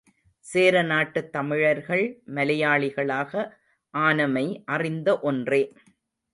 சேர நாட்டுத் தமிழர்கள் மலையாளிகளாக ஆனமை அறிந்த ஒன்றே.